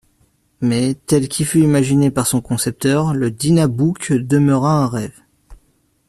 Mais, tel qu'il fut imaginé par son concepteur, le Dynabook demeura un rêve...